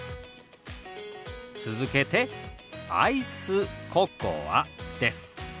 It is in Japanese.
続けて「アイスココア」です。